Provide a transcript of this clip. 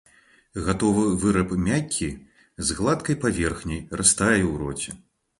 Гатовы выраб мяккі, з гладкай паверхняй, растае ў роце.